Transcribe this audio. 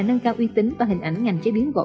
nâng cao uy tín và hình ảnh ngành chế biến gỗ